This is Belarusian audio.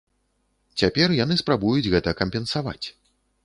Цяпер яны спрабуюць гэта кампенсаваць.